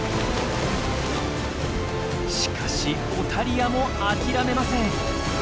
しかしオタリアも諦めません。